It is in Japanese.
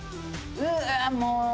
うわあもう。